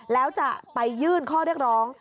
แล้วจะไปยื่นข้อเรียกร้อง